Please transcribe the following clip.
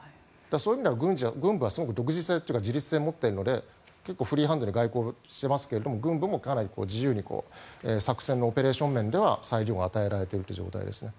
そういう意味では軍部は自律性を持っているので結構フリーハンドに外交していますが軍部もかなり自由に作戦のオペレーション面では裁量が与えられている状態ですね。